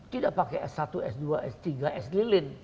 tidak pakai s satu s dua s tiga s lilin